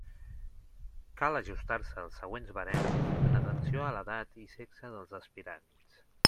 Cal ajustar-se als següents barems en atenció a l'edat i sexe dels aspirants.